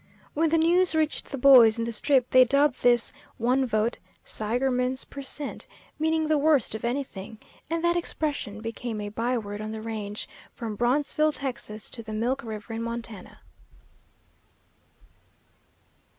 When the news reached the boys in the Strip, they dubbed this one vote "Seigerman's Per Cent," meaning the worst of anything, and that expression became a byword on the range, from Brownsville, Texas, to the Milk River in Montana.